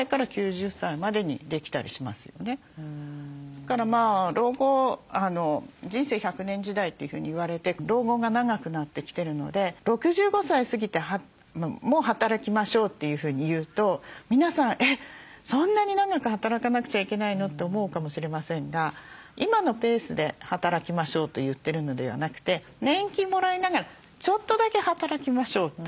だから老後人生１００年時代というふうに言われて老後が長くなってきてるので６５歳過ぎても働きましょうというふうに言うと皆さん「えっそんなに長く働かなくちゃいけないの？」って思うかもしれませんが今のペースで働きましょうと言ってるのではなくて年金もらいながらちょっとだけ働きましょうという。